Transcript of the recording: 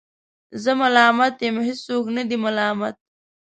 زه ملامت یم ، هیڅوک نه دی ملامت